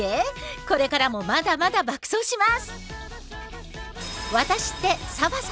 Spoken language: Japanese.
これからもまだまだ爆走します！